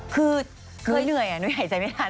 คือเคยเหนื่อยหนูหายใจไม่ทัน